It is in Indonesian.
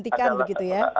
dihentikan begitu ya